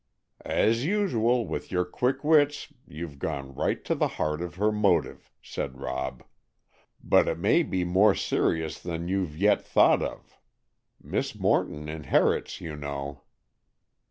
"As usual, with your quick wits, you've gone right to the heart of her motive," said Rob; "but it may be more serious than you've yet thought of. Miss Morton inherits, you know."